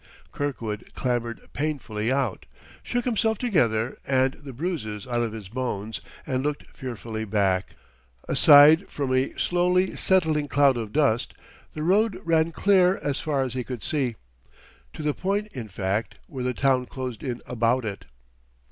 Kirkwood clambered painfully out, shook himself together and the bruises out of his bones, and looked fearfully back. Aside from a slowly settling cloud of dust, the road ran clear as far as he could see to the point, in fact, where the town closed in about it.